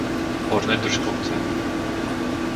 Horné Držkovce